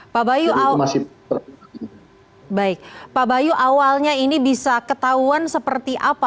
pak bayu awalnya ini bisa ketahuan seperti apa